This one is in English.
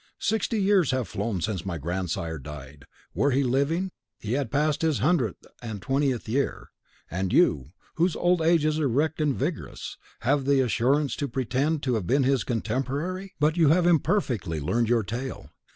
Sixty years have flown since my grandsire died; were he living, he had passed his hundred and twentieth year; and you, whose old age is erect and vigorous, have the assurance to pretend to have been his contemporary! But you have imperfectly learned your tale.